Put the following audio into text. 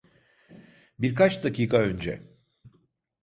Birkaç dakika önce.